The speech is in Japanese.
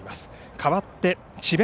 代わって智弁